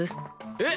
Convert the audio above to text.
えっ！